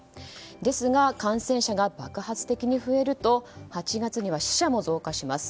ですが感染者が爆発的に増えると８月には死者も増加します。